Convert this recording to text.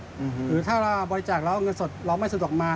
หรือถ้าเราบริจาคแล้วเอาเงินสดเราไม่สะดวกมา